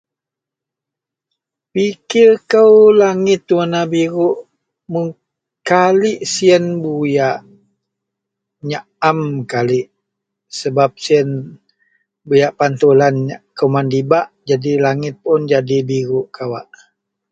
Pikir kou langit werena biruk muu,, kalik siyen buyak nyaem kalik sebab siyen buyak pantulan kuman dibak jadi langit pun jadi biruk kawak